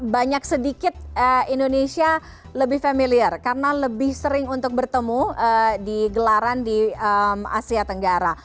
banyak sedikit indonesia lebih familiar karena lebih sering untuk bertemu di gelaran di asia tenggara